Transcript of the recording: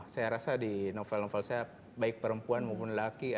saya rasa di novel novel saya baik perempuan maupun laki laki